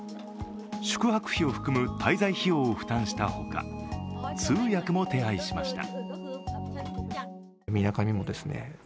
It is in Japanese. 宿泊費を含む滞在費用を負担したほか通訳も手配しました。